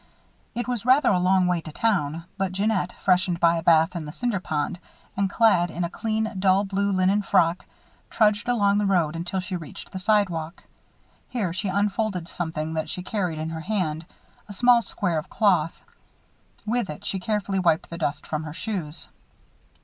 It was rather a long way to town, but Jeannette, freshened by a bath in the Cinder Pond and clad in a clean dull blue linen frock, trudged along the road until she reached the sidewalk. Here she unfolded something that she carried in her hand a small square of cloth. With it she carefully wiped the dust from her shoes.